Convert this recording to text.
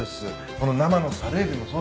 この生のサルエビもそうです。